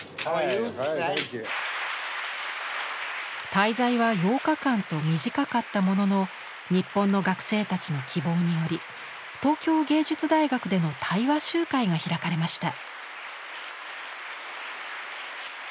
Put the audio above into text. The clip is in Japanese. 滞在は８日間と短かったものの日本の学生たちの希望により東京藝術大学での対話集会が開かれました。